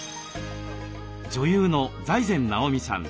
女優の財前直見さん。